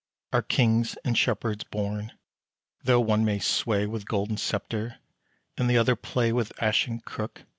Are kings and shepherds born, though one may sway With golden sceptre, and the other play With ashen crook?